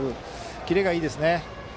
キレがいいですね。